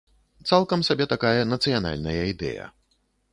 Цалкам сабе такая нацыянальная ідэя.